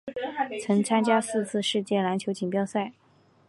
曾参加四次世界篮球锦标赛。